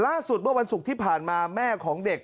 ล่าสุดเมื่อวันศุกร์ที่ผ่านมาแม่ของเด็ก